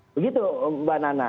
begitu mbak nana